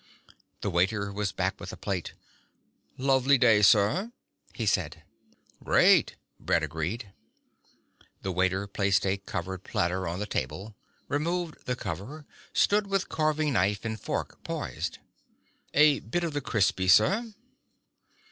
The waiter was back with a plate. "Lovely day, sir," he said. "Great," Brett agreed. The waiter placed a covered platter on the table, removed the cover, stood with carving knife and fork poised. "A bit of the crispy, sir?"